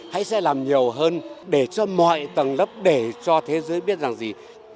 hãy sẽ làm nhiều hơn để cho mọi tầng lớp để cho thế giới biết rằng gì